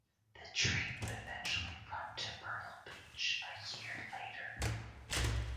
The train would eventually run to Myrtle Beach a year later.